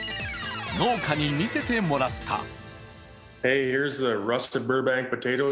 農家に見せてもらった。